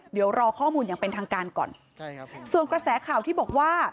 เดี๋ยวรอข้อมูลอย่างเป็นทางการก่อนใช่ครับส่วนกระแสข่าวที่บอกว่า